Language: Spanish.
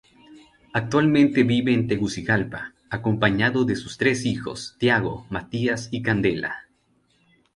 Actualmente vive en Tegucigalpa, acompañado de sus tres hijos, Thiago, Matías y Candela.